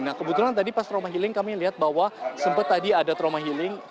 nah kebetulan tadi pas trauma healing kami lihat bahwa sempat tadi ada trauma healing